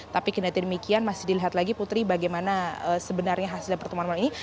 tapi kendati demikian masih dilihat lagi putri bagaimana sebenarnya hasil pertemuan malam ini